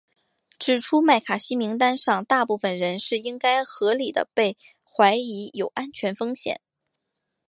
指出麦卡锡名单上大部分人是应该合理地被怀疑有安全风险。